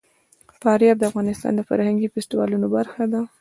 فاریاب د افغانستان د فرهنګي فستیوالونو برخه ده.